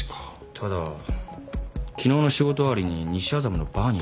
ただ昨日の仕事終わりに西麻布のバーに行ってますね。